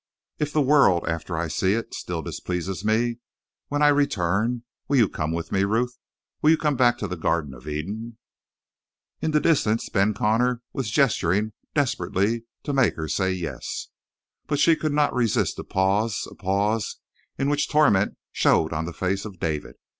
"If the world, after I see it, still displeases me, when I return, will you come with me, Ruth? Will you come back to the Garden of Eden?" In the distance Ben Connor was gesturing desperately to make her say yes. But she could not resist a pause a pause in which torment showed on the face of David.